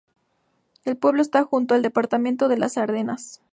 El pueblo está junto al departamento de las Ardenas.